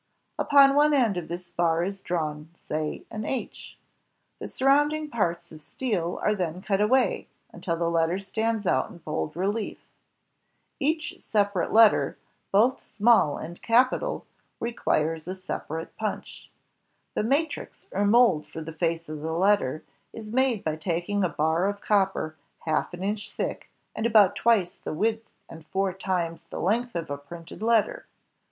Upon one end of this bar is drawn, say, an H. The surrounding parts of steel are then cut away until the letter stands out in bold relief. Each separate letter, both small and capital, requires 1 separate punch. The matrix, or mold for the face of the letter, is made by taking a bar of copper half an inch thick, and about twice the width and four times the length of a printed letter.